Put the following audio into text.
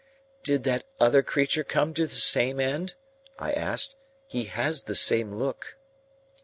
"Did that other creature come to the same end?" I asked. "He has the same look."